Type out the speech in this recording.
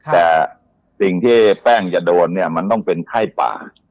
แต่สิ่งที่แป้งจะโดนเนี่ยมันต้องเป็นไข้ป่า